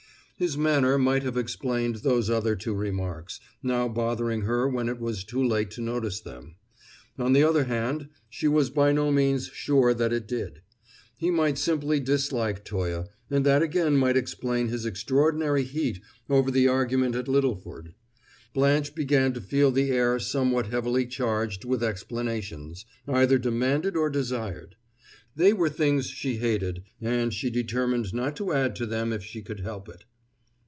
His manner might have explained those other two remarks, now bothering her when it was too late to notice them; on the other hand, she was by no means sure that it did. He might simply dislike Toye, and that again might explain his extraordinary heat over the argument at Littleford. Blanche began to feel the air somewhat heavily charged with explanations, either demanded or desired; they were things she hated, and she determined not to add to them if she could help it.